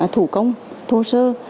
thủ công thô sơ